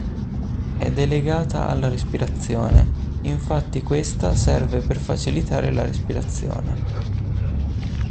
Ed è legata alla respirazione, infatti questa serve per facilitare la respirazione.